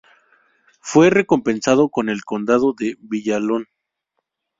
Fue recompensado con el Condado de Villalón.